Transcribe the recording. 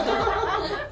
ハハハハ！